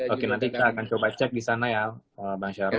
oke nanti kita akan coba cek di sana ya bang syaril